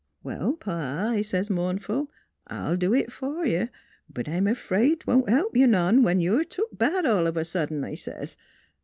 ' Well, Pa,' I says mournful, * I'll do it f'r you; but I'm 'fraid 't won't help you none when you're took bad all of a suddent,' I says.